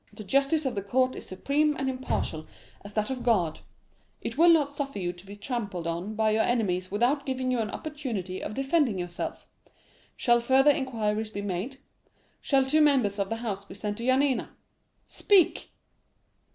The justice of the court is supreme and impartial as that of God; it will not suffer you to be trampled on by your enemies without giving you an opportunity of defending yourself. Shall further inquiries be made? Shall two members of the House be sent to Yanina? Speak!